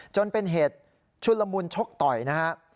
จนเป็นเหตุชุนละมุนชกต่อยนะครับ